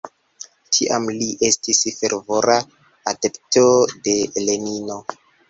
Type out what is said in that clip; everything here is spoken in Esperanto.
Tiam li estis fervora adepto de Lenino.